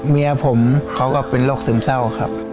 เมียผมเขาก็เป็นโรคซึมเศร้าครับ